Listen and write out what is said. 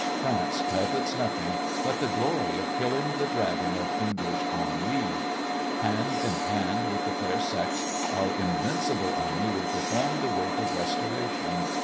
France covets nothing but the glory of killing the dragon of English ennui. Hand in hand with the fair sex, our invincible army will perform the work of restoration.